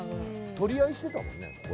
取り合いしてたもんね。